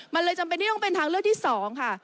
มันเลยจำเป็นที่ต้องเป็นทางเลือกที่๒ค่ะ